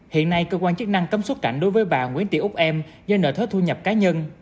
hiện nay cơ quan chức năng cấm xuất cảnh đối với bà nguyễn tị úc em do nợ thuế thu nhập cá nhân